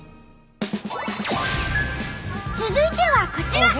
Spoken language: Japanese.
続いてはこちら。